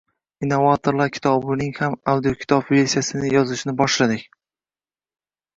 “Innovatorlar” kitobining ham audiokitob versiyasini yozishni boshladik.